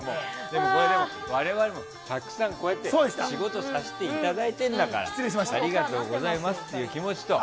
でも、我々はたくさん仕事させていただいてるんだからありがとうございますっていう気持ちと。